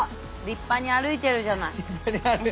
立派に歩いてるじゃない。